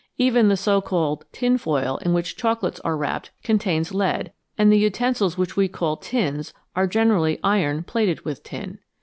Even the so called " tin " foil in which chocolates are wrapped contains lead, and the utensils which we call " tins " are generally iron plated with tin.